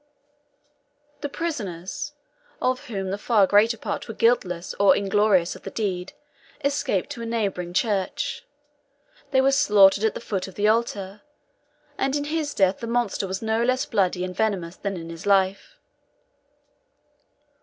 The prisoners (of whom the far greater part were guiltless or inglorious of the deed) escaped to a neighboring church: they were slaughtered at the foot of the altar; and in his death the monster was not less bloody and venomous than in his life.